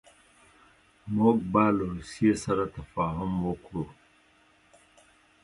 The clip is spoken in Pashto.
موږ به له روسیې سره تفاهم وکړو.